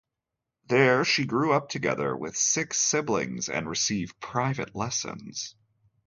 There she grew up together with six siblings and received private lessons.